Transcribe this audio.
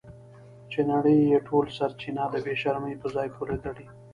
چې نړۍ یې ټول سرچینه د بې شرمۍ په ځای پورې تړي.